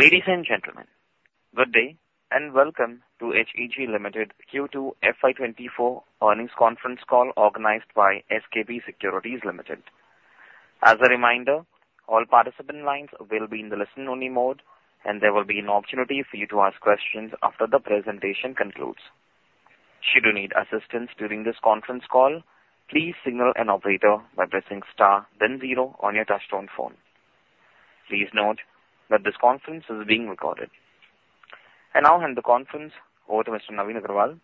Ladies and gentlemen, good day, and welcome to HEG Limited Q2 FY 2024 earnings conference call organized by SKP Securities Limited. As a reminder, all participant lines will be in the listen-only mode, and there will be an opportunity for you to ask questions after the presentation concludes. Should you need assistance during this conference call, please signal an operator by pressing star then zero on your touchtone phone. Please note that this conference is being recorded. I now hand the conference over to Mr. Navin Agarwal,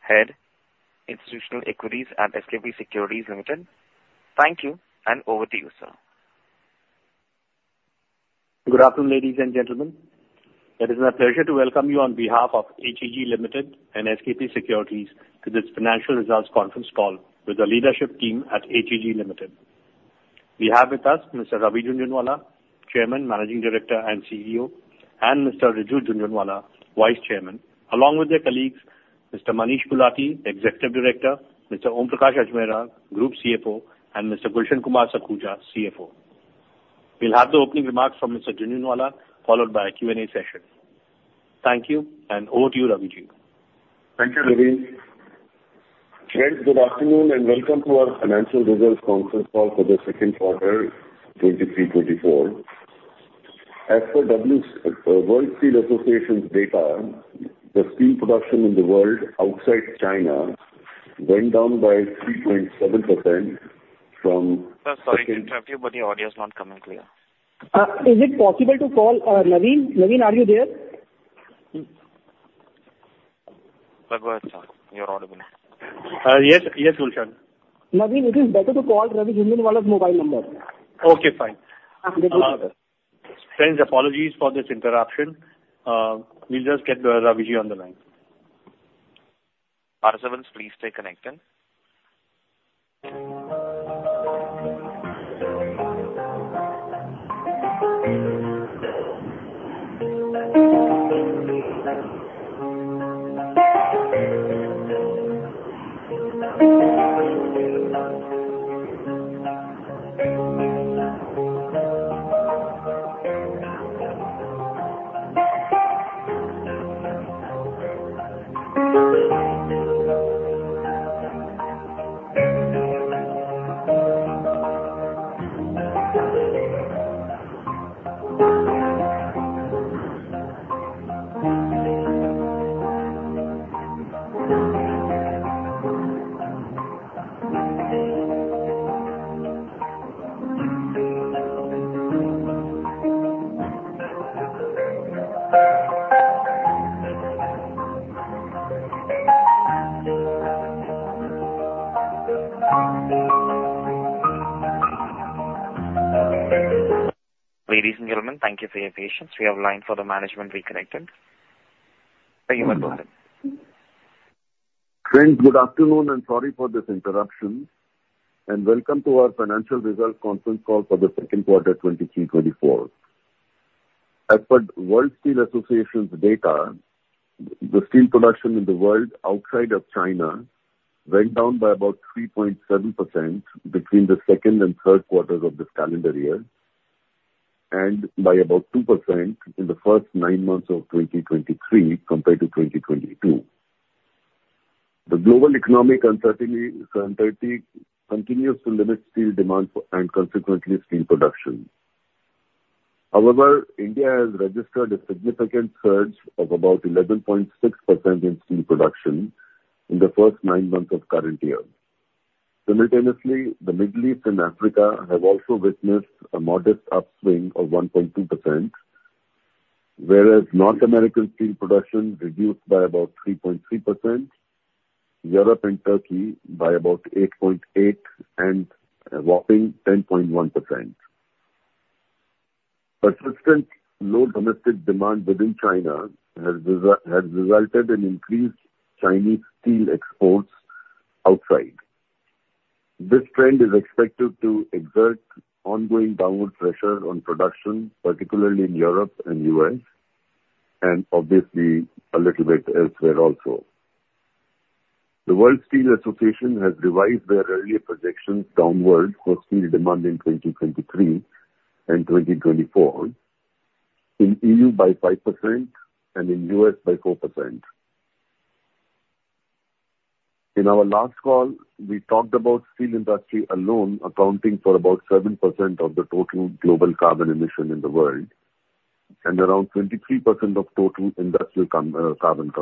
Head, Institutional Equities at SKP Securities Limited. Thank you, and over to you, sir. Good afternoon, ladies and gentlemen. It is my pleasure to welcome you on behalf of HEG Limited and SKP Securities to this financial results conference call with the leadership team at HEG Limited. We have with us Mr. Ravi Jhunjhunwala, Chairman, Managing Director, and CEO, and Mr. Riju Jhunjhunwala, Vice Chairman, along with their colleagues, Mr. Manish Gulati, Executive Director, Mr. Om Prakash Ajmera, Group CFO, and Mr. Gulshan Kumar Sakhuja, CFO. We'll have the opening remarks from Mr. Jhunjhunwala, followed by a Q&A session. Thank you, and over to you, Ravi Thank you, Navin. Friends, good afternoon, and welcome to our Financial Results Conference Call for the Second Quarter, 2023, 2024. As for World Steel Association's data, the steel production in the world outside China went down by 3.7% from- Sir, sorry to interrupt you, but the audio is not coming clear. Is it possible to call Navin? Navin, are you there? Go ahead, sir. You're audible. Yes. Yes, Gulshan. Navin, it is better to call Ravi Jhunjhunwala's mobile number. Okay, fine. That will be better. Friends, apologies for this interruption. We'll just get Ravi on the line. Participants, please stay connected. Ladies and gentlemen, thank you for your patience. We have line for the management reconnected. Thank you very much. Friends, good afternoon, and sorry for this interruption, and welcome to our Financial Results Conference Call for the Second Quarter, 2023-2024. As per World Steel Association's data, the steel production in the world outside of China went down by about 3.7% between the second and third quarters of this calendar year, and by about 2% in the first nine months of 2023 compared to 2022. The global economic uncertainty continues to limit steel demand for and consequently steel production. However, India has registered a significant surge of about 11.6% in steel production in the first nine months of current year. Simultaneously, the Middle East and Africa have also witnessed a modest upswing of 1.2%, whereas North American steel production reduced by about 3.3%, Europe and Turkey by about 8.8% and a whopping 10.1%. Persistent low domestic demand within China has resulted in increased Chinese steel exports outside. This trend is expected to exert ongoing downward pressure on production, particularly in Europe and US, and obviously a little bit elsewhere also. The World Steel Association has revised their earlier projections downward for steel demand in 2023 and 2024, in EU by 5% and in US by 4%. In our last call, we talked about steel industry alone accounting for about 7% of the total global carbon emission in the world, and around 23% of total industrial carbon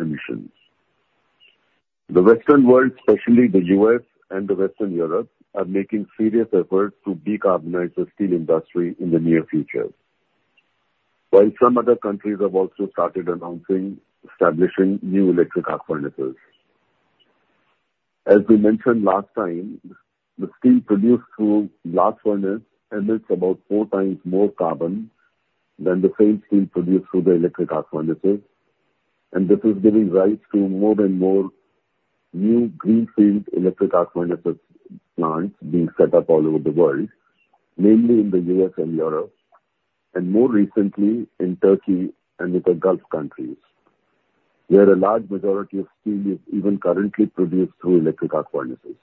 emissions. The Western world, especially the U.S. and Western Europe, are making serious efforts to decarbonize the steel industry in the near future, while some other countries have also started announcing establishing new Electric Arc Furnaces. As we mentioned last time, the steel produced through Blast Furnace emits about four times more carbon than the same steel produced through the Electric Arc Furnaces, and this is giving rise to more and more new greenfield Electric Arc Furnaces plants being set up all over the world, mainly in the U.S. and Europe, and more recently in Turkey and in the Gulf countries, where a large majority of steel is even currently produced through Electric Arc Furnaces....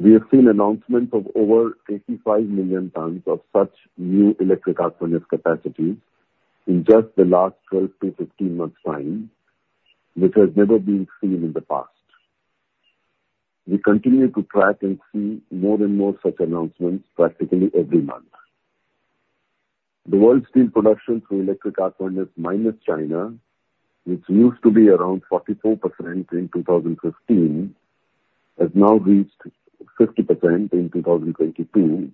We have seen announcement of over 85 million tons of such new Electric Arc Furnace capacities in just the last 12-15 months time, which has never been seen in the past. We continue to track and see more and more such announcements practically every month. The World Steel production through Electric Arc Furnace, minus China, which used to be around 44% in 2015, has now reached 50% in 2022,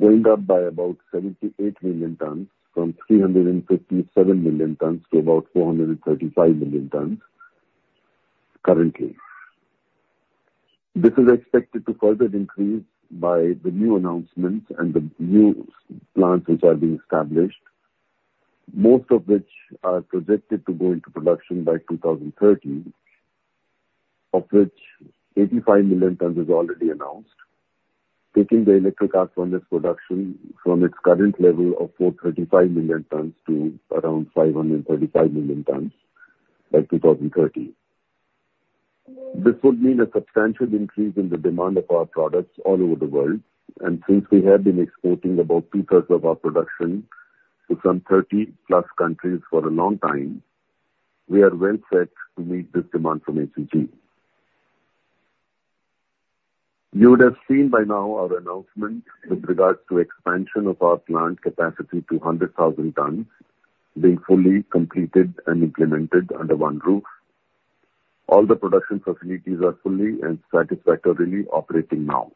going up by about 78 million tons from 357 million tons to about 435 million tons currently. This is expected to further increase by the new announcements and the new plants which are being established, most of which are projected to go into production by 2030, of which 85 million tons is already announced. Taking the Electric Arc Furnace production from its current level of 435 million tons to around 535 million tons by 2030. This would mean a substantial increase in the demand of our products all over the world, and since we have been exporting about 2/3 of our production to some 30 plus countries for a long time, we are well set to meet this demand from HEG. You would have seen by now our announcement with regards to expansion of our plant capacity to 100,000 tons being fully completed and implemented under one roof. All the production facilities are fully and satisfactorily operating now.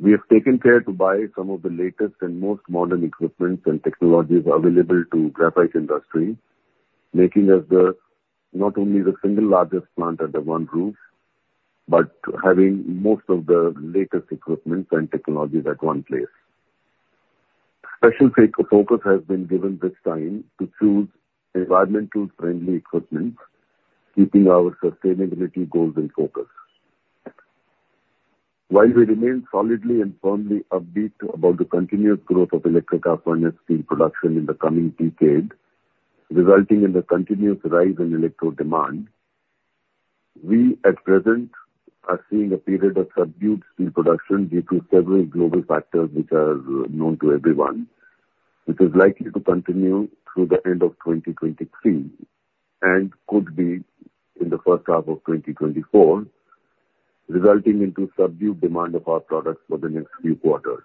We have taken care to buy some of the latest and most modern equipment and technologies available to graphite industry, making us the, not only the single largest plant under one roof, but having most of the latest equipment and technologies at one place. Special focus has been given this time to choose environmentally friendly equipment, keeping our sustainability goals in focus. While we remain solidly and firmly upbeat about the continuous growth of Electric Arc Furnace Steel production in the coming decade, resulting in the continuous rise in electrode demand, we at present are seeing a period of subdued steel production due to several global factors, which are known to everyone, which is likely to continue through the end of 2023, and could be in the first half of 2024, resulting into subdued demand of our products for the next few quarters.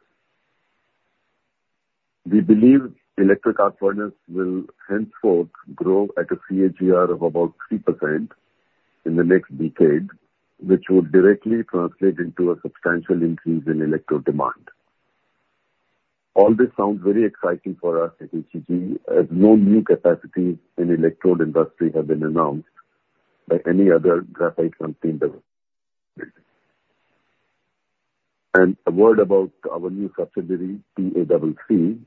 We believe Electric Arc Furnace will henceforth grow at a CAGR of about 3% in the next decade, which would directly translate into a substantial increase in electrode demand. All this sounds very exciting for us at HEG, as no new capacities in electrode industry have been announced by any other graphite company. And a word about our new subsidiary, TACC.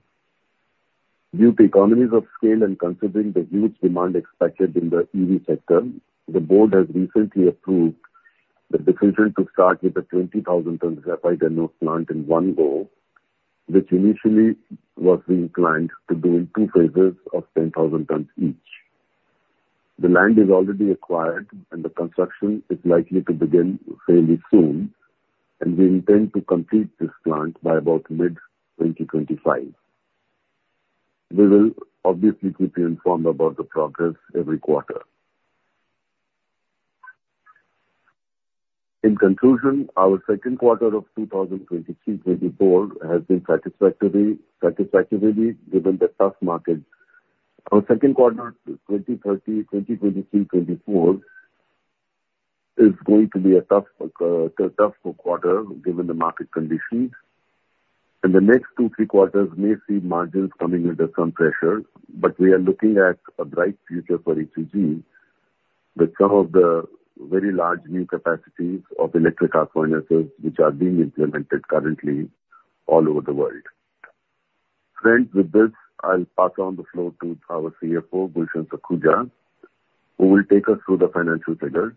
Due to economies of scale and considering the huge demand expected in the EV sector, the board has recently approved the decision to start with a 20,000-ton graphite anode plant in one go, which initially was being planned to do in two phases of 10,000 tons each. The land is already acquired, and the construction is likely to begin fairly soon, and we intend to complete this plant by about mid-2025. We will obviously keep you informed about the progress every quarter. In conclusion, our second quarter of 2023-2024 has been satisfactorily given the tough market. Our second quarter 2023-2024 is going to be a tough quarter given the market conditions. In the next two to three quarters may see margins coming under some pressure, but we are looking at a bright future for HEG with some of the very large new capacities of Electric Arc Furnaces, which are being implemented currently all over the world. Friends, with this, I'll pass on the floor to our CFO, Gulshan Sakhuja, who will take us through the financial figures.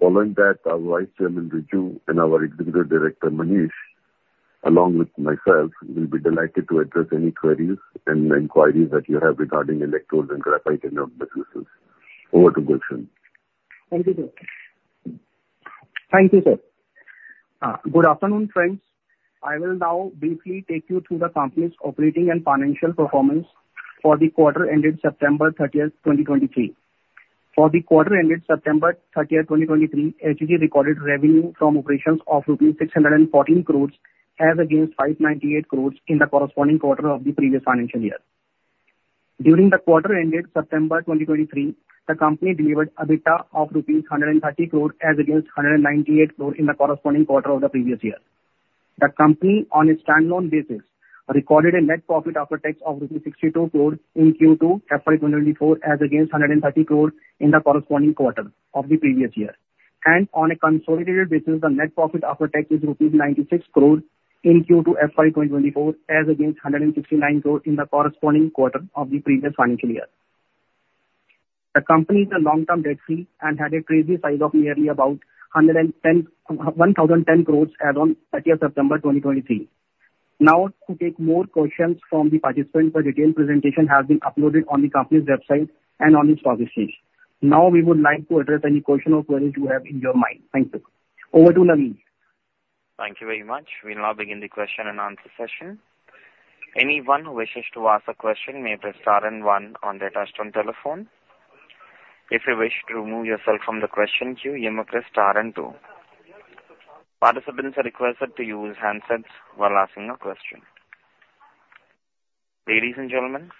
Following that, our Vice Chairman, Riju, and our Executive Director, Manish, along with myself, will be delighted to address any queries and inquiries that you have regarding electrodes and graphite anode businesses. Over to Gulshan. Thank you, sir. Thank you, sir. Good afternoon, friends. I will now briefly take you through the company's operating and financial performance for the quarter ended September 30th, 2023. For the quarter ended September 30th, 2023, HEG recorded revenue from operations of INR 614 crore, as against INR 598 crore in the corresponding quarter of the previous financial year. During the quarter ended September 2023, the company delivered EBITDA of INR 130 crore, as against INR 198 crore in the corresponding quarter of the previous year. The company, on a standalone basis, recorded a net profit after tax of rupees 62 crore in Q2 FY 2024, as against 130 crore in the corresponding quarter of the previous year. On a consolidated basis, the net profit after tax is INR 96 crore in Q2 FY 2024, as against 169 crore in the corresponding quarter of the previous financial year. The company is long-term debt free and had a treasury size of nearly about 110... 1,010 crores as on 30th September 2023. Now to take more questions from the participants, the detailed presentation has been uploaded on the company's website and on its publications. Now we would like to address any question or queries you have in your mind. Thank you. Over to Navin. Thank you very much. We'll now begin the question and answer session. Anyone who wishes to ask a question, may press star and one on their touchtone telephone. If you wish to remove yourself from the question queue, you may press star and two. Participants are requested to use handsets while asking a question. Ladies and gentlemen,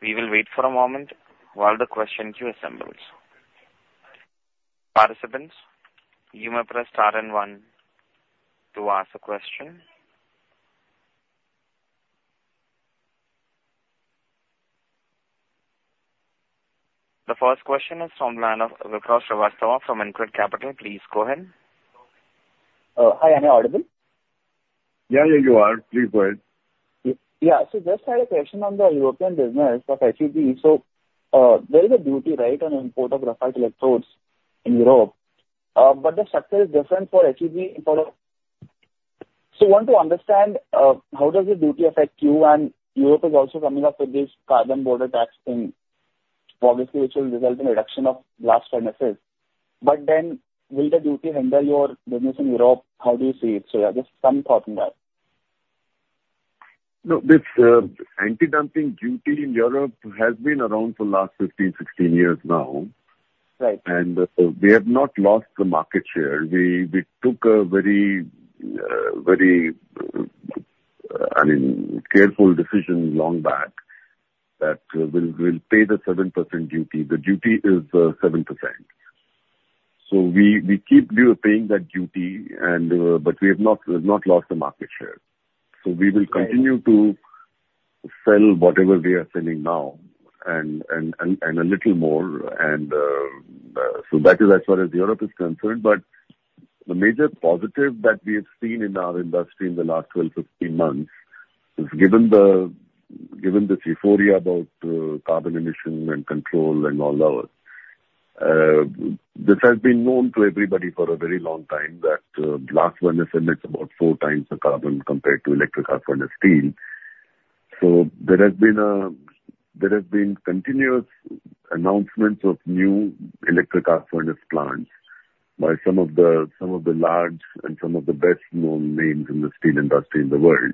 we will wait for a moment while the question queue assembles. Participants, you may press star and one to ask a question. The first question is from line of Vipraw Srivastava from InCred Capital. Please go ahead. Hi, am I audible? Yeah, yeah, you are. Please go ahead. Yeah. So just had a question on the European business of HEG. So, there is a duty, right, on import of graphite electrodes in Europe, but the structure is different for HEG in terms of... So we want to understand, how does the duty affect you? And Europe is also coming up with this carbon border tax thing, obviously, which will result in reduction of Blast Furnaces. But then will the duty handle your business in Europe? How do you see it? So, yeah, just some thought on that. No, this anti-dumping duty in Europe has been around for the last 15, 16 years now. Right. We have not lost the market share. We, we took a very, very, I mean, careful decision long back that we'll, we'll pay the 7% duty. The duty is 7%. So we, we keep paying that duty and, but we have not, we've not lost the market share. Right. So we will continue to sell whatever we are selling now and a little more. So that is as far as Europe is concerned. But the major positive that we have seen in our industry in the last 12-15 months is given this euphoria about carbon emission and control and all that, this has been known to everybody for a very long time, that Blast Furnace emits about four times the carbon compared to Electric Arc Furnace steel. There has been continuous announcements of new Electric Arc Furnace plants by some of the large and some of the best-known names in the steel industry in the world.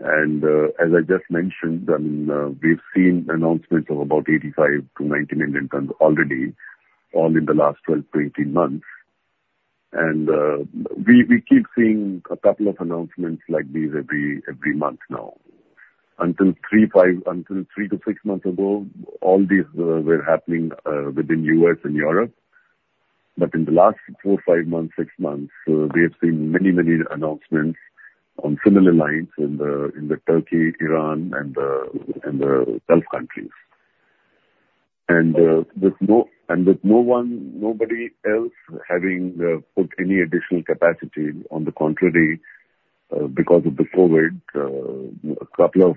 And, as I just mentioned, I mean, we've seen announcements of about 85-90 million tons already, all in the last 12-18 months. And, we keep seeing a couple of announcements like these every month now. Until three to six months ago, all these were happening within U.S. and Europe, but in the last four, five months, six months, we have seen many, many announcements on similar lines in Turkey, Iran, and the Gulf countries. And, with no one, nobody else having put any additional capacity. On the contrary, because of the COVID, a couple of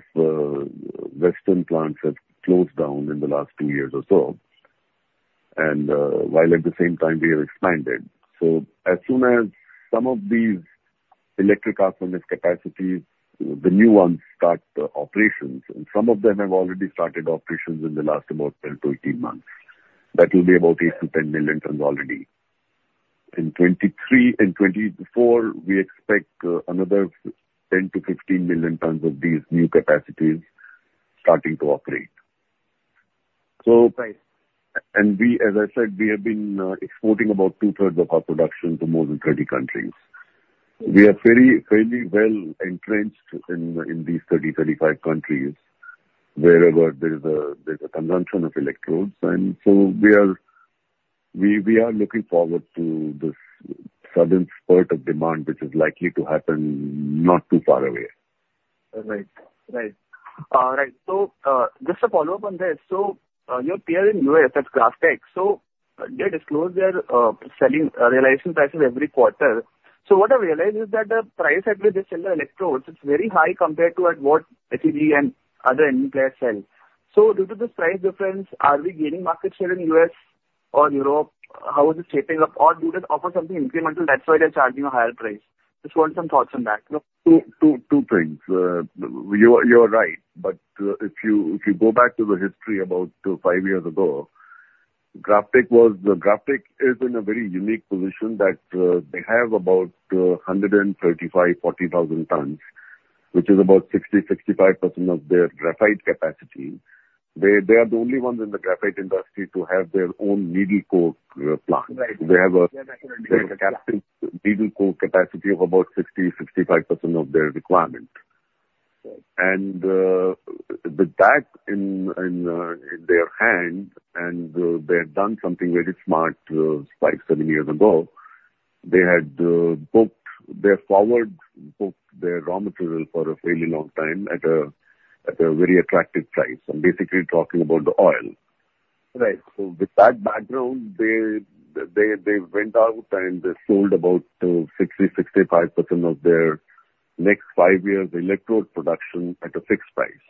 western plants have closed down in the last two years or so, and while at the same time we have expanded. As soon as some of these Electric Arc Furnace capacities, the new ones, start operations, and some of them have already started operations in the last about 12 months-18 months, that will be about 8 million-10 million tons already. In 2023 and 2024, we expect another 10 million-15 million tons of these new capacities starting to operate. Right. So, and we, as I said, we have been exporting about 2/3 of our production to more than 30 countries. We are fairly, fairly well entrenched in these 30 countries-35 countries, wherever there is a consumption of electrodes. And so we are looking forward to this sudden spurt of demand, which is likely to happen not too far away. Right. Right. right. So, just a follow-up on this. So, your peer in the U.S., that's GrafTech. So they disclose their, selling, realization prices every quarter. So what I've realized is that the price at which they sell the electrodes, it's very high compared to at what HEG and other Indian players sell. So due to this price difference, are we gaining market share in the U.S. or Europe? How is it shaping up? Or do they offer something incremental, that's why they're charging a higher price? Just want some thoughts on that. Two things. You are, you are right, but if you, if you go back to the history about five years ago, GrafTech was... GrafTech is in a very unique position that they have about 135,000-140,000 tons, which is about 60%-65% of their graphite capacity. They, they are the only ones in the graphite industry to have their own needle coke plant. Right. They have a- Yeah, that's right. They have a captive needle coke capacity of about 60%-65% of their requirement. Right. With that in their hand, they had done something very smart five-seven years ago. They had booked their forward, booked their raw material for a fairly long time at a very attractive price. I'm basically talking about the oil. Right. So with that background, they went out and they sold about 65% of their next five years electrode production at a fixed price....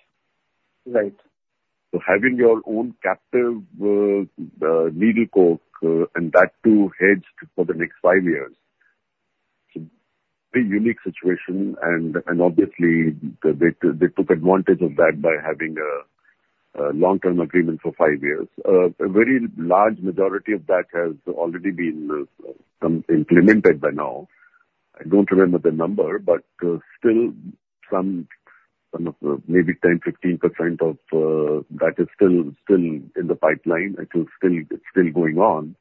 Right. So having your own captive needle coke and that too hedged for the next five years, it's a pretty unique situation. And obviously, they took advantage of that by having a long-term agreement for five years. A very large majority of that has already been implemented by now. I don't remember the number, but still some of the maybe 10, 15% of that is still in the pipeline. It is still going on.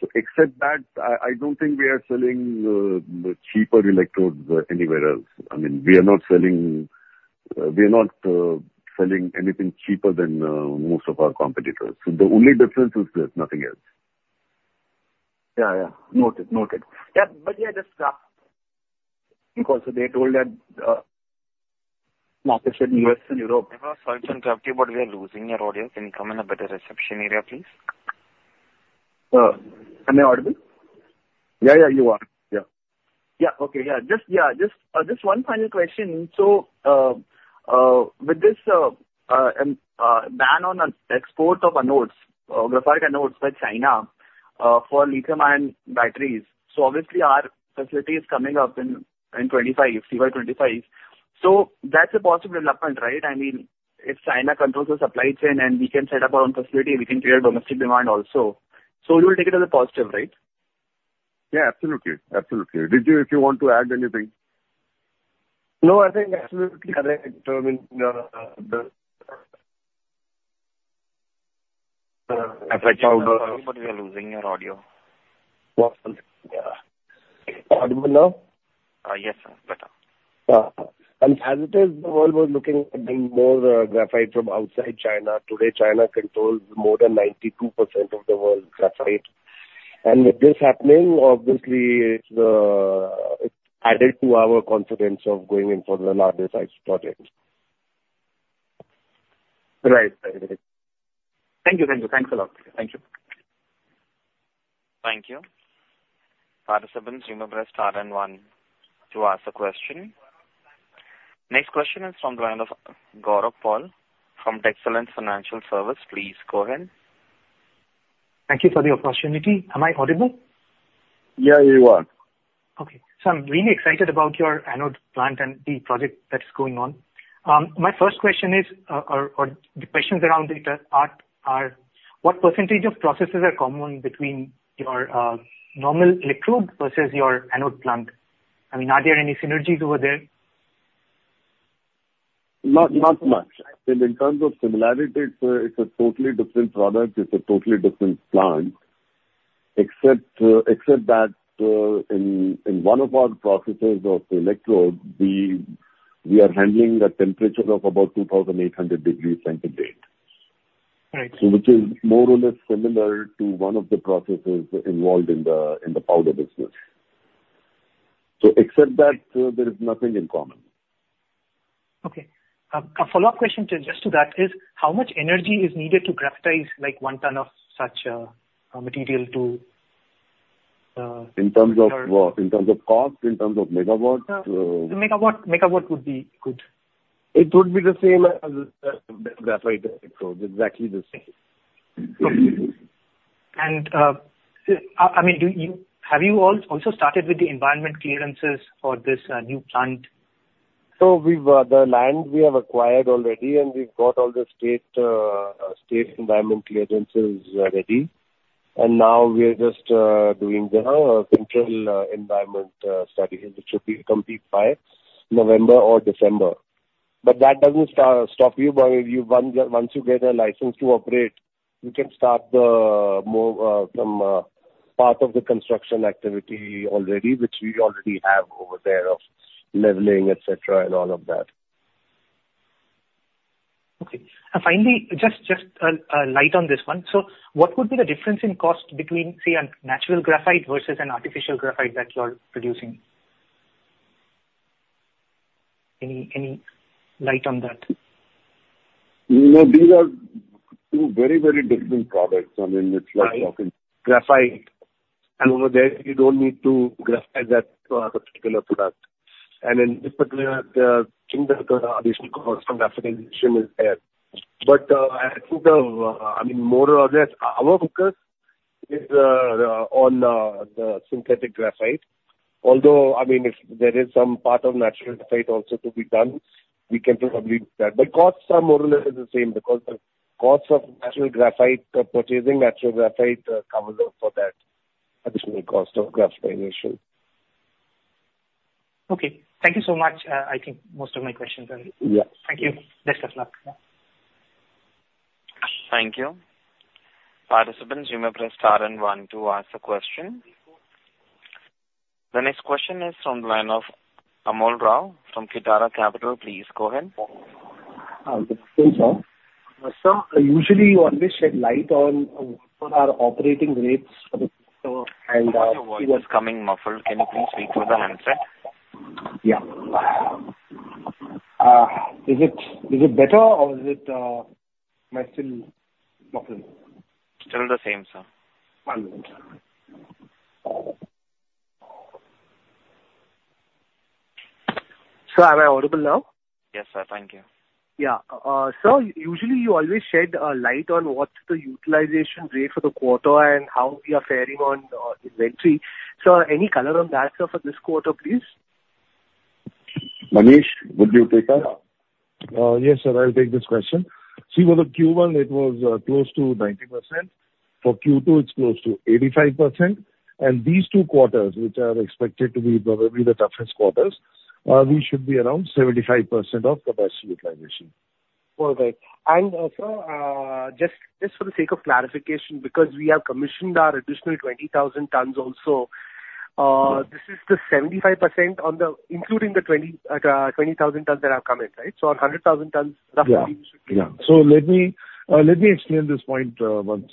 So except that, I don't think we are selling cheaper electrodes anywhere else. I mean, we are not selling anything cheaper than most of our competitors. So the only difference is this, nothing else. Yeah. Yeah. Noted. Noted. Yeah, but yeah, just because they told that market in U.S. and Europe- Hello, sorry to interrupt you, but we are losing your audio. Can you come in a better reception area, please? Am I audible? Yeah, yeah, you are. Yeah. Yeah. Okay. Yeah. Just one final question. So, with this ban on the export of anodes, graphite anodes by China, for lithium-ion batteries, so obviously our facility is coming up in 2025, FY 2025. So that's a positive development, right? I mean, if China controls the supply chain and we can set up our own facility, we can create domestic demand also. So you will take it as a positive, right? Yeah, absolutely. Absolutely. Did you... If you want to add anything? No, I think absolutely.... But we are losing your audio. One second. Yeah. Audible now? Yes, sir. Better. As it is, the world was looking at bringing more graphite from outside China. Today, China controls more than 92% of the world's graphite. With this happening, obviously, it's added to our confidence of going in for the largest project. Right. Thank you. Thank you. Thanks a lot. Thank you. Thank you. Participants, you may press star and one to ask a question. Next question is from the line of Gaurav Paul from Excellence Financial Service. Please go ahead. Thank you for the opportunity. Am I audible? Yeah, you are. Okay. So I'm really excited about your anode plant and the project that's going on. My first question is, or the questions around it are, what percentage of processes are common between your normal electrode versus your anode plant? I mean, are there any synergies over there? Not much. I think in terms of similarities, it's a totally different product, it's a totally different plant. Except that, in one of our processes of the electrode, we are handling a temperature of about 2,800 degrees centigrade. Right. Which is more or less similar to one of the processes involved in the powder business. Except that, there is nothing in common. Okay. A follow-up question just to that is: How much energy is needed to graphitize, like, one ton of such material to, In terms of what? In terms of cost, in terms of megawatts. Megawatt, megawatt would be good. It would be the same as the graphite electrode. Exactly the same. And, I mean, do you... have you also started with the environment clearances for this new plant? So we've the land we have acquired already, and we've got all the state state environment clearances ready. And now we are just doing the central environment study, which will be complete by November or December. But that doesn't stop you. By you, once, once you get a license to operate, you can start the more some part of the construction activity already, which we already have over there, of leveling, et cetera, and all of that. Okay. Finally, just light on this one. What would be the difference in cost between, say, a natural graphite versus an artificial graphite that you're producing? Any light on that? You know, these are two very, very different products. I mean, it's like talking- Graphite. Graphite, and over there, you don't need to graphitize that particular product. In this particular, additional cost from graphitization is there. But, I think, I mean, more or less, our focus is on the synthetic graphite. Although, I mean, if there is some part of natural graphite also to be done, we can probably do that. But costs are more or less the same because the costs of natural graphite, purchasing natural graphite, come along for that additional cost of graphitization. Okay. Thank you so much. I think most of my questions are- Yeah. Thank you. Best of luck. Thank you. Participants, you may press star and one to ask a question. The next question is from the line of Amol Rao from Kitara Capital. Please go ahead. Thanks, sir. Sir, usually you always shed light on, on our operating rates, so and, Your voice is coming muffled. Can you please speak with a handset? Yeah. Is it, is it better or is it, am I still muffled? Still the same, sir. One moment, sir.... Sir, am I audible now? Yes, sir. Thank you. Yeah. Sir, usually you always shed light on what's the utilization rate for the quarter and how we are faring on inventory. Sir, any color on that, sir, for this quarter, please? Manish, would you take that? Yes, sir, I'll take this question. See, for the Q1, it was close to 90%. For Q2, it's close to 85%. And these two quarters, which are expected to be probably the toughest quarters, we should be around 75% of capacity utilization. Perfect. And, sir, just, just for the sake of clarification, because we have commissioned our additional 20,000 tons also, Yes. This is the 75% on the including the 20,000 tons that have come in, right? So our 100,000 tons roughly should be. Yeah. Yeah. So let me, let me explain this point once.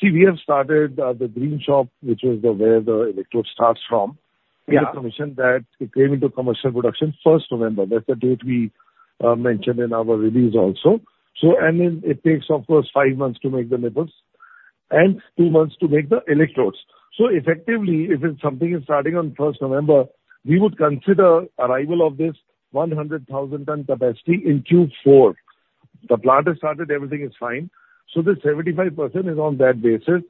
See, we have started the green shop, which is the, where the electrode starts from. Yeah. We have commissioned that. It came into commercial production first November. That's the date we mentioned in our release also. So and then, it takes, of course, five months to make the nipples and two months to make the electrodes. So effectively, if it's something is starting on first November, we would consider arrival of this 100,000-ton capacity in Q4. The plant has started, everything is fine. So the 75% is on that basis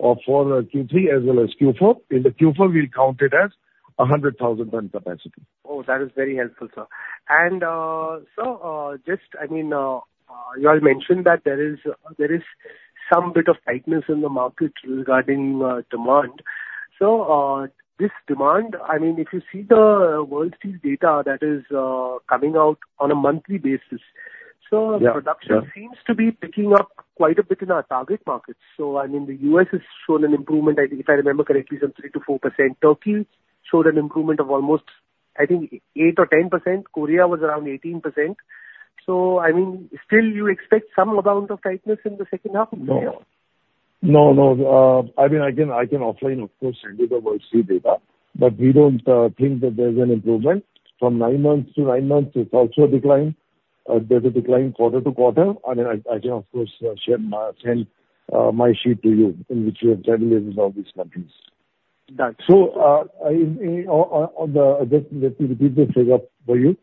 of for Q3 as well as Q4. In the Q4, we count it as a 100,000-ton capacity. Oh, that is very helpful, sir. And, sir, just I mean, you all mentioned that there is, there is some bit of tightness in the market regarding, demand. So, this demand, I mean, if you see the World Steel data that is, coming out on a monthly basis, sir- Yeah. Production seems to be picking up quite a bit in our target markets. So I mean, the U.S. has shown an improvement. I think if I remember correctly, some 3%-4%. Turkey showed an improvement of almost, I think, 8% or 10%. Korea was around 18%. So I mean, still you expect some amount of tightness in the second half of the year? No, no, I mean, I can offline, of course, send you the World Steel data, but we don't think that there's an improvement. From nine months to nine months, it's also a decline. There's a decline quarter-to-quarter. I mean, I can, of course, send my sheet to you, in which you have details of all these countries. Done. Let me read the figure for you.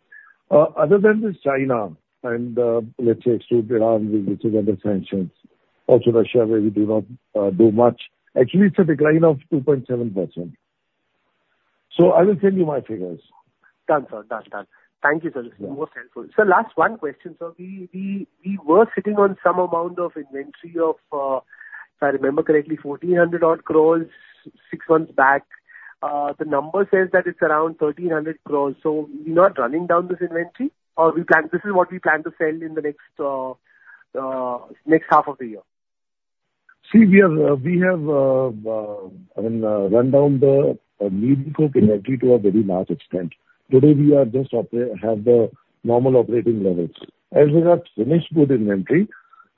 Other than China and, let's say, Iran, which is under sanctions, also Russia, where we do not do much, actually it's a decline of 2.7%. So I will send you my figures. Done, sir. Done, done. Thank you, sir. This is more helpful. Sir, last one question, sir. We, we, we were sitting on some amount of inventory of, if I remember correctly, 1,400-odd crore six months back. The number says that it's around 1,300 crore, so we're not running down this inventory? Or we plan- this is what we plan to sell in the next, next half of the year. See, we have, I mean, run down the needle coke inventory to a very large extent. Today, we are just operating have the normal operating levels. As we have finished goods inventory,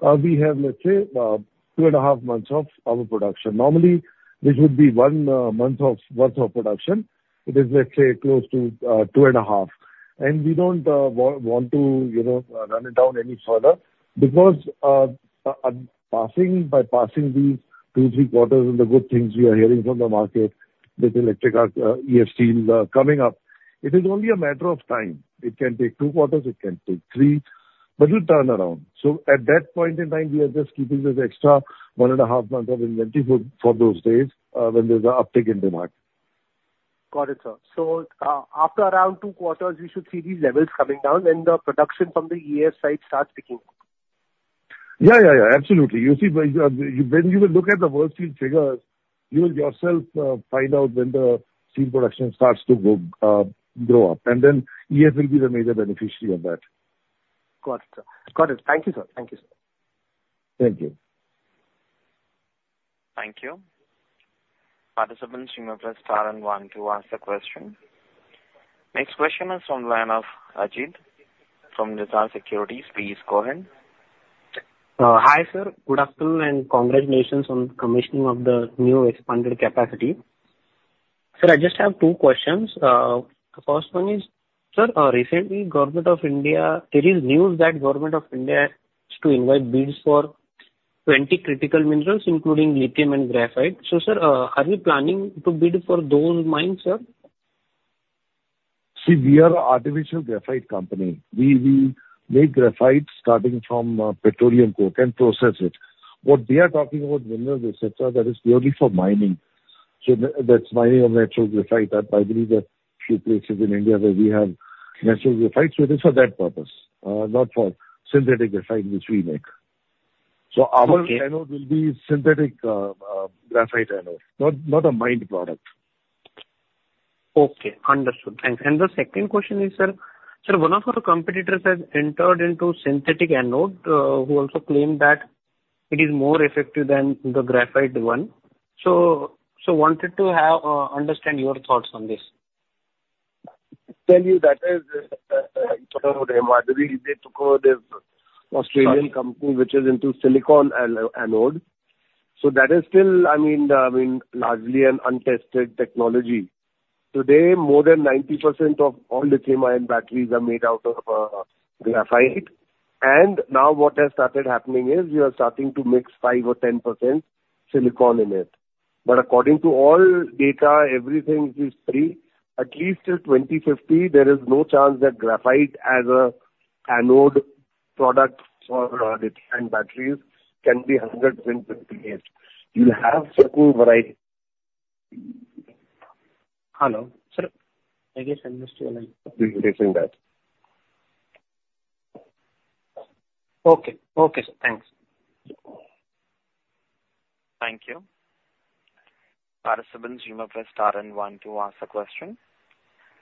we have, let's say, 2.5 months of our production. Normally, this would be 1 month worth of production. It is, let's say, close to 2.5. And we don't want, want to, you know, run it down any further because, passing by these two to three quarters and the good things we are hearing from the market, with electric arc EAF steels coming up, it is only a matter of time. It can take two quarters, it can take three, but it'll turn around. So at that point in time, we are just keeping this extra one and a half months of inventory good for those days, when there's an uptick in demand. Got it, sir. So, after around two quarters, you should see these levels coming down when the production from the EF side starts picking up. Yeah, yeah, yeah, absolutely. You see, when you will look at the World Steel figures, you will yourself find out when the steel production starts to go grow up, and then EF will be the major beneficiary of that. Got it, sir. Got it. Thank you, sir. Thank you, sir. Thank you. Thank you. Participants, you may press star and one to ask the question. Next question is on line of Ajit from Nirzar Securities. Please go ahead. Hi, sir, good afternoon, and congratulations on commissioning of the new expanded capacity. Sir, I just have two questions. The first one is, sir, recently, Government of India... There is news that Government of India is to invite bids for 20 critical minerals, including lithium and graphite. So, sir, are we planning to bid for those mines, sir? See, we are a artificial graphite company. We make graphite starting from petroleum coke and process it. What we are talking about, minerals, et cetera, that is purely for mining. So that's mining of natural graphite. I believe there are few places in India where we have natural graphite, so it is for that purpose, not for synthetic graphite, which we make. Okay. Our anode will be synthetic graphite anode, not a mined product. Okay, understood. Thank you. The second question is, a sir, one of our competitors has entered into synthetic anode, who also claimed that it is more effective than the graphite one. So, wanted to have, understand your thoughts on this. Tell you, that is, they took over the Australian company, which is into silicon anode. So that is still, I mean, I mean, largely an untested technology. Today, more than 90% of all lithium-ion batteries are made out of graphite. And now what has started happening is we are starting to mix 5% or 10% silicon in it. But according to all data, everything is free. At least till 2050, there is no chance that graphite as an anode product for lithium batteries can be 100% replaced. You'll have certain variety. Hello, sir. I guess I missed you then. You can hear me back? Okay. Okay, sir. Thanks. Thank you. Participants, you may press star and one to ask a question.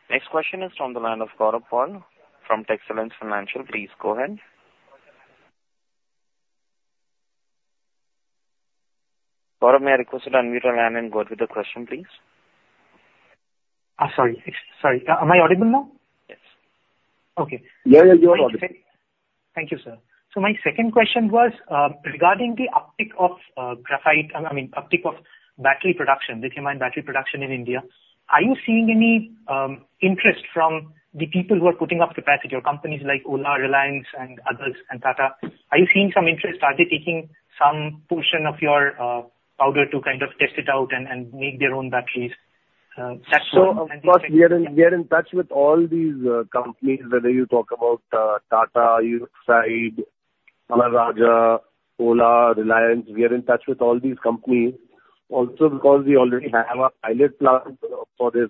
Next question is from the line of Gaurav Paul from Excellence Financial. Please, go ahead. Gaurav, may I request you to unmute your line and go with the question, please? Sorry. Sorry, am I audible now? Yes. Okay. Yeah, yeah, you are audible. Thank you, sir. So my second question was, regarding the uptick of, graphite, I mean, uptick of battery production, lithium-ion battery production in India. Are you seeing any, interest from the people who are putting up the package or companies like Ola, Reliance and others, and Tata? Are they taking some portion of your, powder to kind of test it out and, and make their own batteries? That's- So of course, we are in touch with all these companies, whether you talk about Tata, Exide, Amara Raja, Ola, Reliance, we are in touch with all these companies. Also, because we already have a pilot plant for this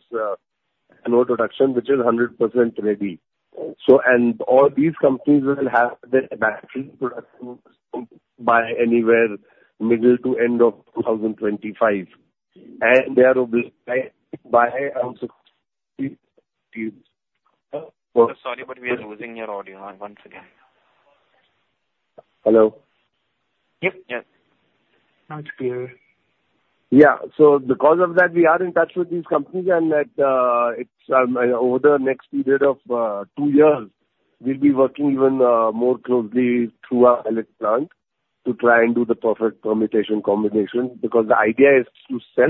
anode production, which is 100% ready. So, and all these companies will have their battery production by anywhere middle to end of 2025, and they are oblig- by also... Sir, sorry, but we are losing your audio once again. Hello? Yep, yes. Now it's clear. Yeah. So because of that, we are in touch with these companies, and that, it's over the next period of two years, we'll be working even more closely through our pilot plant to try and do the perfect permutation combination, because the idea is to sell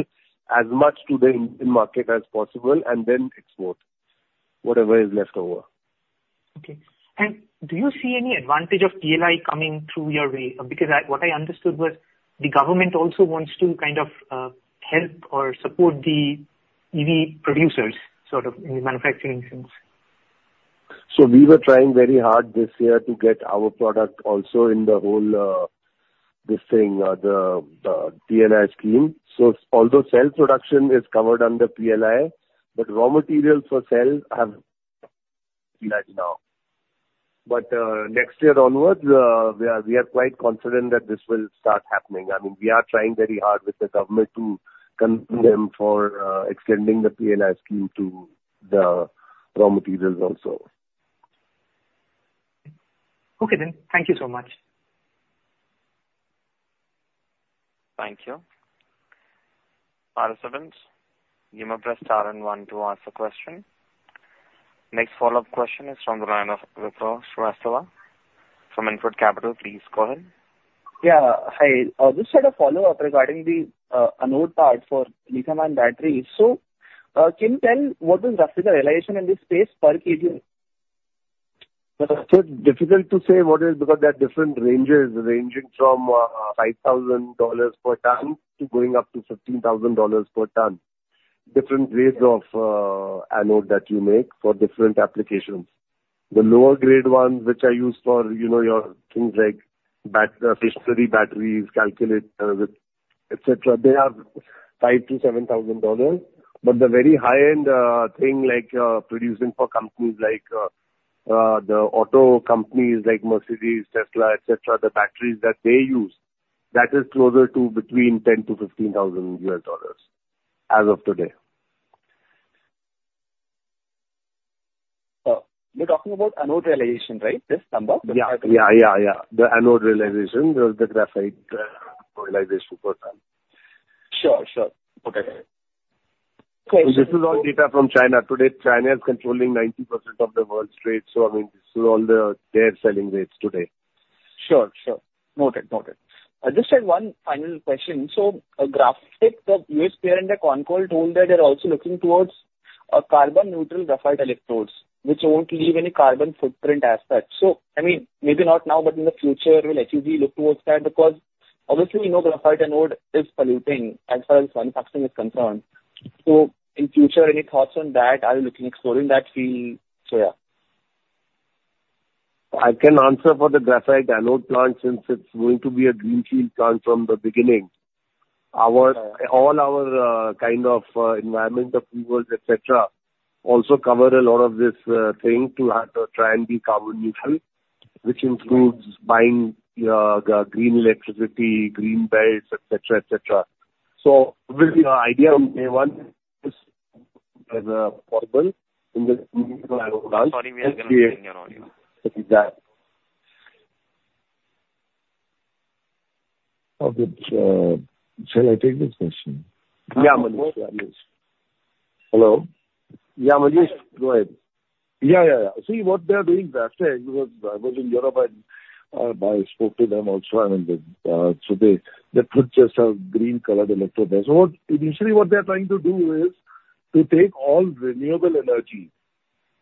as much to the Indian market as possible, and then export whatever is left over. Okay. And do you see any advantage of PLI coming through your way? Because what I understood was the government also wants to kind of, help or support the EV producers, sort of, in the manufacturing sense. So we were trying very hard this year to get our product also in the whole, this thing, the PLI scheme. So although cell production is covered under PLI, but raw materials for cells have not now. But, next year onwards, we are quite confident that this will start happening. I mean, we are trying very hard with the government to convince them for extending the PLI scheme to the raw materials also. Okay, then. Thank you so much. Thank you. Participants, you may press star and one to ask a question. Next follow-up question is from the line of Vipraw Srivastava from InCred Capital. Please go ahead. Yeah, hi. Just had a follow-up regarding the anode part for lithium-ion batteries. So, can you tell me what is roughly the realization in this space per kg? So difficult to say what is, because there are different ranges, ranging from $5,000 per ton to going up to $15,000 per ton. Different grades of anode that you make for different applications. The lower grade ones, which are used for, you know, your things like battery, stationary batteries, calculators, et cetera, they are $5,000-$7,000. But the very high-end thing, like producing for companies like the auto companies, like Mercedes, Tesla, et cetera, the batteries that they use, that is closer to between $10,000-$15,000 as of today. You're talking about anode realization, right? This number? Yeah. Yeah, yeah, yeah. The anode realization, the graphite realization per ton. Sure, sure. Okay. This is all data from China. Today, China is controlling 90% of the world's trade, so, I mean, this is all the, their selling rates today. Sure, sure. Noted, noted. I just had one final question. So, GrafTech, the US parent, the concall, told that they're also looking towards carbon neutral graphite electrodes, which won't leave any carbon footprint aspect. So, I mean, maybe not now, but in the future, will HEG look towards that? Because obviously, we know graphite anode is polluting as far as manufacturing is concerned. So in future, any thoughts on that, are you looking exploring that field? So yeah. I can answer for the graphite anode plant, since it's going to be a greenfield plant from the beginning. All our kind of environment approvals, et cetera, also cover a lot of this thing to try and be carbon neutral, which includes buying the green electricity, green belts, et cetera, et cetera. So will be our idea from day one is possible in this- Sorry, we are gonna lose your audio. Exactly. Oh, good. Shall I take this question? Yeah, Manish. Hello? Yeah, Manish, go ahead. Yeah, yeah, yeah. See, what they are doing, they are saying, because I was in Europe and, I spoke to them also, I mean, so they, they put just a green-colored electrode. So what initially what they are trying to do is to take all renewable energy,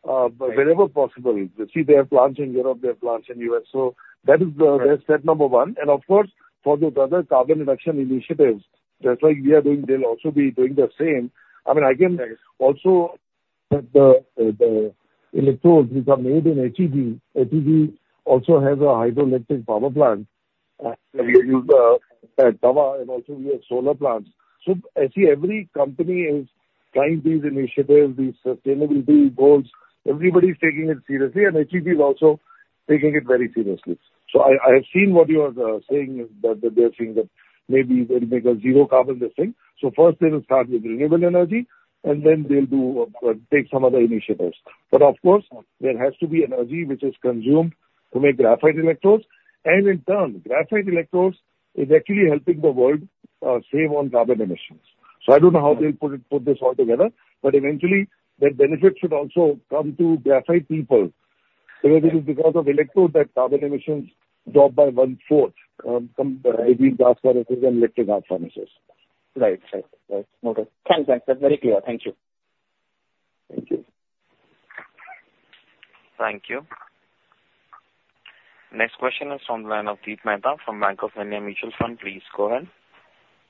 wherever possible. You see, they have plants in Europe, they have plants in U.S. So that is the, that's step number one. And of course, for the other carbon reduction initiatives, just like we are doing, they'll also be doing the same. I mean, I can also, the, the, the electrodes which are made in HEG. HEG also has a hydroelectric power plant, we use at Tawanagar, and also we have solar plants. So I see every company is trying these initiatives, these sustainability goals. Everybody is taking it seriously, and HEG is also taking it very seriously. So I, I have seen what you are saying, is that they're saying that maybe they'll make a zero carbon this thing. So first they will start with renewable energy, and then they'll do take some other initiatives. But of course, there has to be energy which is consumed to make graphite electrodes, and in turn, graphite electrodes is actually helping the world save on carbon emissions. So I don't know how they'll put it, put this all together, but eventually that benefit should also come to graphite people. Because it is because of electrode that carbon emissions drop by one-fourth from maybe Gas-Fired and Electric Arc Furnaces. Right. Right. Right. Okay. Thanks. Thanks. That's very clear. Thank you. Thank you. Thank you. Next question is from Deep Mehta from Bank of India Mutual Fund. Please go ahead.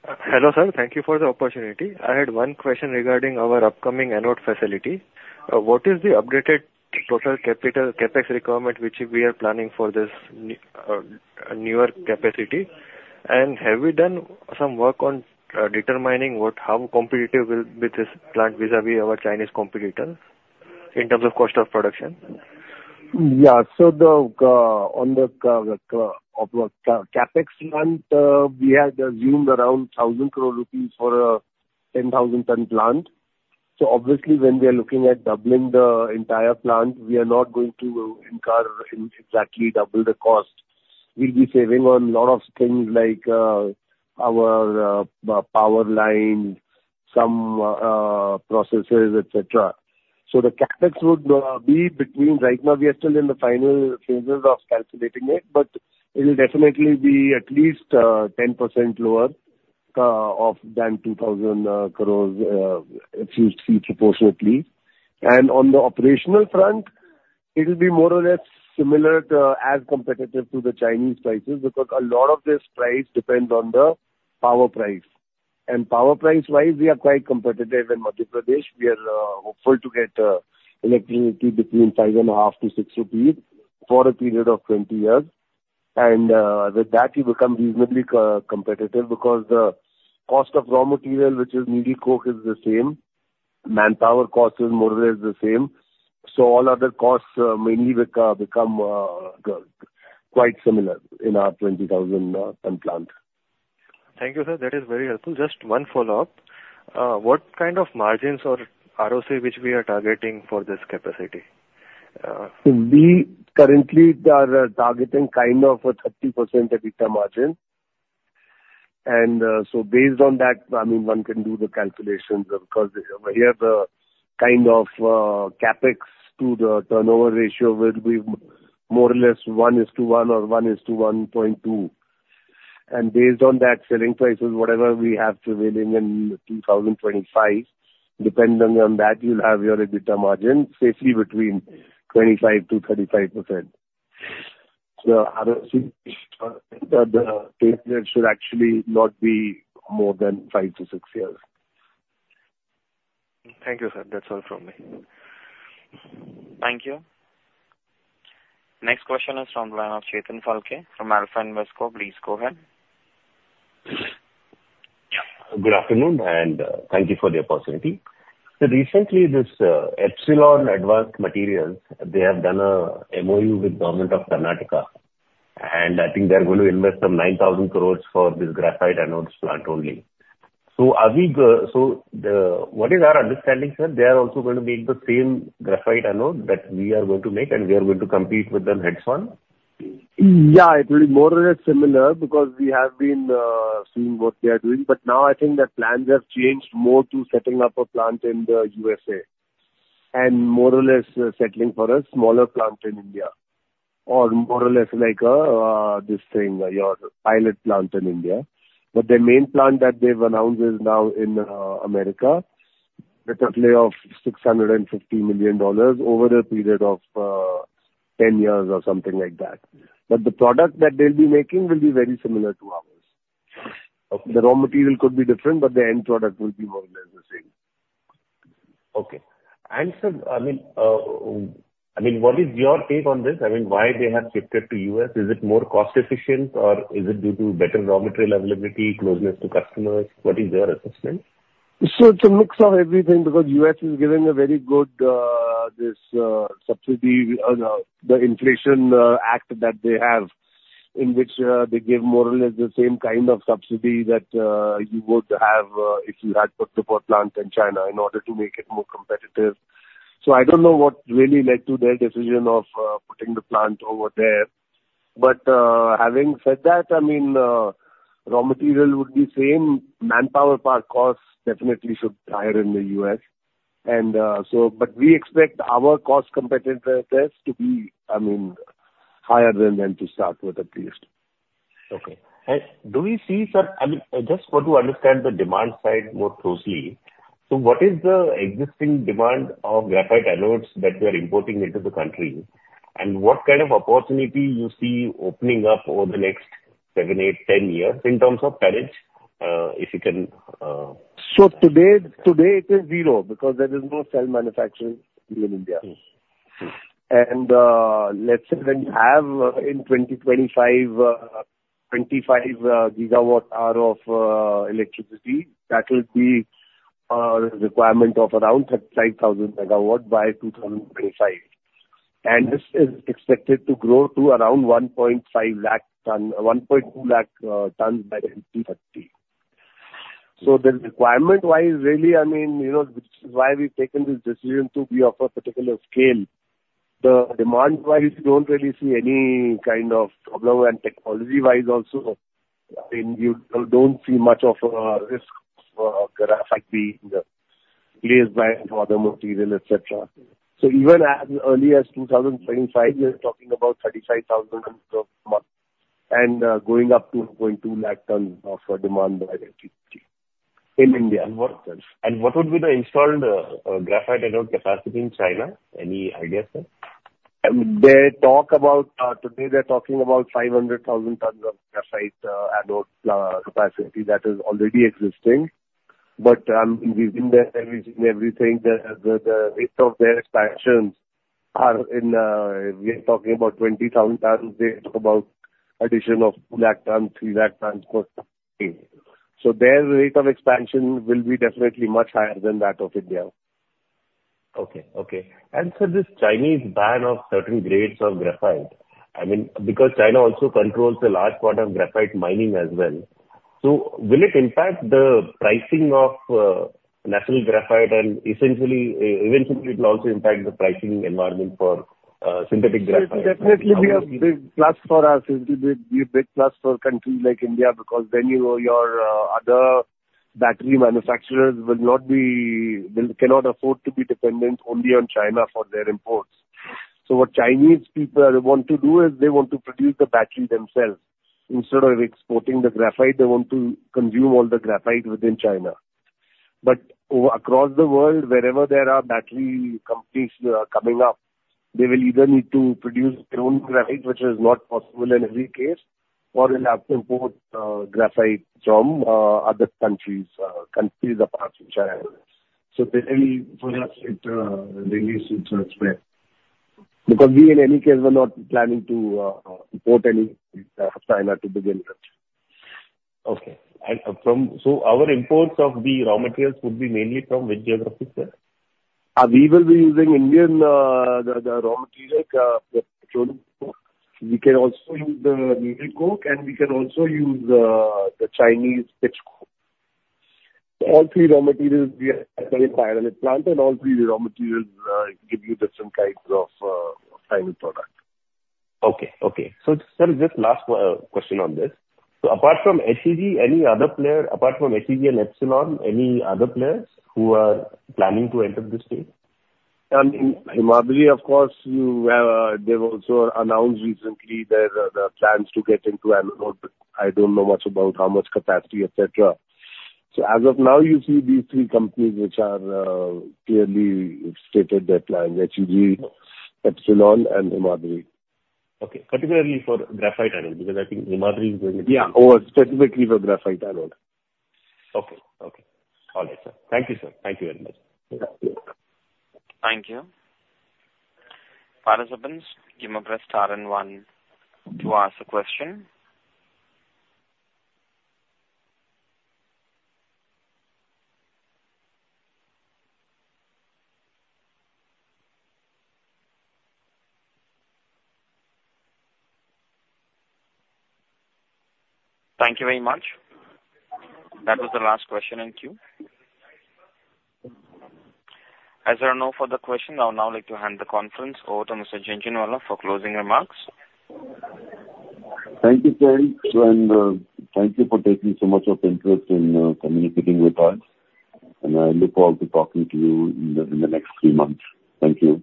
Hello, sir. Thank you for the opportunity. I had one question regarding our upcoming anode facility. What is the updated total capital CapEx requirement which we are planning for this newer capacity? And have we done some work on determining what, how competitive will with this plant vis-à-vis our Chinese competitors in terms of cost of production? Yeah. So, on the CapEx of our plant, we had assumed around 1,000 crore rupees for a 10,000-ton plant. So obviously, when we are looking at doubling the entire plant, we are not going to incur exactly double the cost. We'll be saving on a lot of things like our power line, some processes, et cetera. So the CapEx would be between... Right now, we are still in the final phases of calculating it, but it'll definitely be at least 10% lower than 2,000 crore, if you see proportionately. And on the operational front, it'll be more or less similar to as competitive to the Chinese prices, because a lot of this price depends on the power price. And power price-wise, we are quite competitive in Madhya Pradesh. We are hopeful to get electricity between 5.5-6 rupees for a period of 20 years. With that, you become reasonably competitive, because the cost of raw material, which is needle coke, is the same. Manpower cost is more or less the same. So all other costs mainly become quite similar in our 20,000-ton plant. Thank you, sir. That is very helpful. Just one follow-up. What kind of margins or ROC which we are targeting for this capacity? So we currently are targeting kind of a 30% EBITDA margin. And so based on that, I mean, one can do the calculations, because we have a kind of CapEx to the turnover ratio will be more or less 1:1 or 1:1.2. And based on that, selling prices, whatever we have prevailing in 2025, depending on that, you'll have your EBITDA margin safely between 25%-35%. So ROC, the, should actually not be more than five to six years. Thank you, sir. That's all from me. Thank you. Next question is from the line of Chetan Phalke from Alpha Invesco. Please go ahead. Good afternoon, and thank you for the opportunity. So recently this Epsilon Advanced Materials, they have done a MOU with Government of Karnataka, and I think they're going to invest some 9,000 crore for this graphite anodes plant only. So the, what is our understanding, sir? They are also going to make the same graphite anode that we are going to make, and we are going to compete with them heads on? Yeah, it will be more or less similar, because we have been seeing what they are doing. But now I think their plans have changed more to setting up a plant in the USA, and more or less settling for a smaller plant in India, or more or less like this thing, your pilot plant in India. But their main plant that they've announced is now in America, with a play of $650 million over a period of 10 years or something like that. But the product that they'll be making will be very similar to ours. Okay. The raw material could be different, but the end product will be more or less the same. Okay. And, sir, I mean, I mean, what is your take on this? I mean, why they have shifted to U.S.? Is it more cost efficient, or is it due to better raw material availability, closeness to customers? What is your assessment? So it's a mix of everything, because U.S. is giving a very good, this, subsidy, the Inflation Act that they have, in which, they give more or less the same kind of subsidy that, you would have, if you had put the poor plants in China in order to make it more competitive. So I don't know what really led to their decision of, putting the plant over there. But, having said that, I mean, raw material would be same, manpower power cost definitely should be higher in the U.S. And, so but we expect our cost competitiveness to be, I mean, higher than them to start with at least.... Okay. And do we see, sir? I mean, I just want to understand the demand side more closely. So what is the existing demand of graphite anodes that we are importing into the country? And what kind of opportunity you see opening up over the next seven, eight, 10 years in terms of tonnage, if you can? Today, today it is zero, because there is no cell manufacturing in India. Mm-hmm. Mm-hmm. Let's say when you have in 2025, 25 GWh of electricity, that will be requirement of around 35,000 tons by 2025. And this is expected to grow to around 1.5 lakh tons, 1.2 lakh tons by 2030. So the requirement-wise, really, I mean, you know, which is why we've taken this decision to be of a particular scale. The demand-wise, we don't really see any kind of problem, and technology-wise also, I mean, you don't see much of risk of graphite being replaced by other material, et cetera. So even as early as 2025, we are talking about 35,000 tons per month and going up to 0.2 lakh tons of demand by then in India. What would be the installed graphite anode capacity in China? Any idea, sir? They talk about, today they're talking about 500,000 tons of graphite anode capacity that is already existing. But, within that, everything, the rate of their expansions are in. We are talking about 20,000 tons. They talk about addition of 200,000 tons, 300,000 tons for state. So their rate of expansion will be definitely much higher than that of India. Okay. Okay. And so this Chinese ban of certain grades of graphite, I mean, because China also controls a large part of graphite mining as well, so will it impact the pricing of natural graphite and essentially eventually it will also impact the pricing environment for synthetic graphite? It definitely be a big plus for us. It'll be a big plus for countries like India, because then your other battery manufacturers will not will cannot afford to be dependent only on China for their imports. So what Chinese people want to do is they want to produce the battery themselves. Instead of exporting the graphite, they want to consume all the graphite within China. But across the world, wherever there are battery companies coming up, they will either need to produce their own graphite, which is not possible in every case, or they'll have to import graphite from other countries countries apart from China. So definitely for us, it really suits us well. Because we, in any case, were not planning to import any from China to begin with. Okay. So our imports of the raw materials would be mainly from which geographies, sir? We will be using Indian, the, the raw material, petcoke. We can also use the needle coke, and we can also use, the Chinese pitch coke. So all three raw materials we in final plant, and all three raw materials, give you different types of, final product. Okay, okay. So sir, just last question on this. So apart from HEG, any other player, apart from HEG and Epsilon, any other players who are planning to enter this space? I mean, Himadri, of course, you, they've also announced recently their, their plans to get into anode. I don't know much about how much capacity, et cetera. So as of now, you see these three companies, which are, clearly stated their plans, HEG, Epsilon, and Himadri. Okay, particularly for graphite anode, because I think Himadri is going to— Yeah, oh, specifically for graphite anode. Okay. Okay. All right, sir. Thank you, sir. Thank you very much. Thank you. Thank you. Participants, give a press star and one to ask the question. Thank you very much. That was the last question in queue. As there are no further questions, I would now like to hand the conference over to Mr. Navin Agarwal for closing remarks. Thank you, Shane, and thank you for taking so much interest in communicating with us, and I look forward to talking to you in the next few months. Thank you.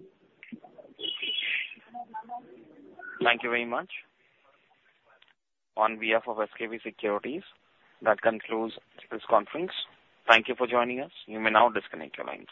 Thank you very much. On behalf of SKP Securities, that concludes this conference. Thank you for joining us. You may now disconnect your lines.